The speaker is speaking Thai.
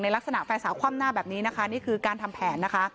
ลักษณะแฟนสาวคว่ำหน้าแบบนี้นะคะนี่คือการทำแผนนะคะ